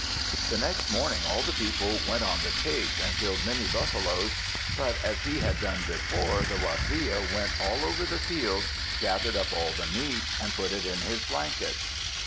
The next morning all the people went on the chase and killed many buffaloes. But, as he had done before, the Waziya went all over the field, gathered up all the meat, and put it in his blanket.